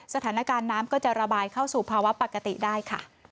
สถานการณ์น้ำก็จะระบายเข้าสู่ภาวะปกติได้ค่ะ